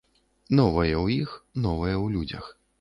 Новае ў іх, новае ў людзях.